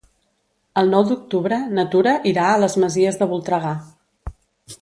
El nou d'octubre na Tura irà a les Masies de Voltregà.